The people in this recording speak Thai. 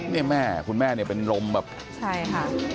แม่คุณแม่เนี่ยเป็นลมแบบใช่ค่ะ